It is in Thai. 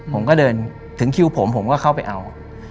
ผมก็เดินถึงคิวผมผมก็เข้าไปเอา